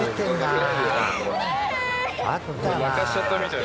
俺が泣かしちゃったみたい。